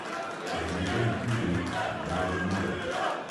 Diumenge en Quintí anirà a Benimodo.